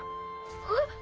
えっ？